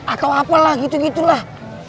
atau apalah gitu gitulah